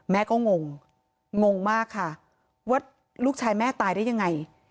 แม่ก็งงงงมากค่ะว่าลูกชายแม่ตายได้ยังไง